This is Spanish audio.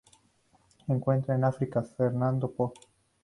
Se encuentran en África: Fernando Poo.